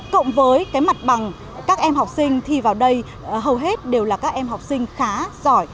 cộng với cái mặt bằng các em học sinh thi vào đây hầu hết đều là các em học sinh khá giỏi